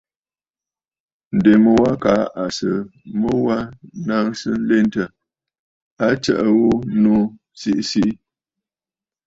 Ǹdèmu wa kaa à sɨ mu wa naŋsə nlentə, a tsəʼə ghu nu siʼi siʼi.